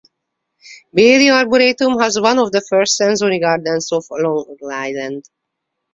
Bailey Arboretum has one of the first sensory gardens on Long Island.